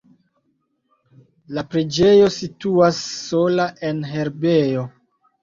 La preĝejo situas sola en herbejo.